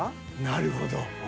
なるほど。